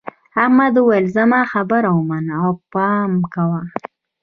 احمد وویل زما خبره ومنه او پام کوه.